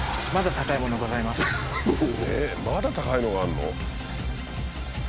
まだ高いのがあるの？